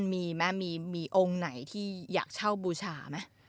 มีโง่งไหนที่อยากเช่าบูชาไหม